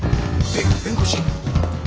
べ弁護士。